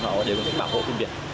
họ cũng sẽ bảo hộ phim việt